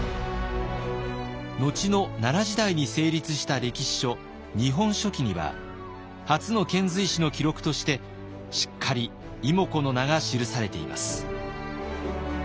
後の奈良時代に成立した歴史書「日本書紀」には初の遣隋使の記録としてしっかり妹子の名が記されています。